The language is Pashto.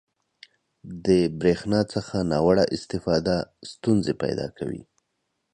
• د برېښنا څخه ناوړه استفاده ستونزې پیدا کوي.